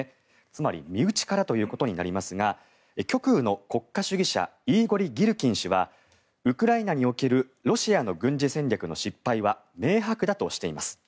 つまり身内からということになりますが極右の国家主義者イーゴリ・ギルキン氏はウクライナにおけるロシアの軍事戦略の失敗は明白だとしています。